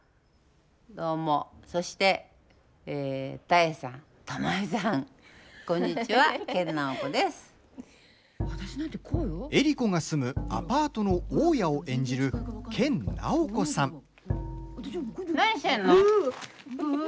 江里子が住むアパートの大家を演じる研ナオコさん。